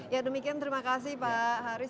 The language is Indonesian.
ya demikian terima kasih pak haris